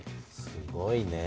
すごいね。